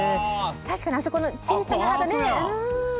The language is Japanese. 確かに、あそこの小さなハートね。